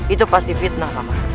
itu pasti fitnah paman